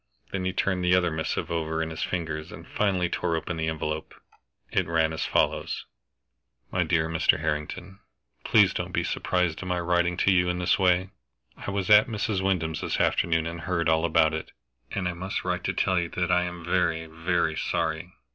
Then he turned the other missive over in his fingers, and finally tore open the envelope. It ran as follows: "MY DEAR MR. HARRINGTON, Please don't be surprised at my writing to you in this way. I was at Mrs. Wyndham's this afternoon and heard all about it, and I must write to tell you that I am very, very sorry.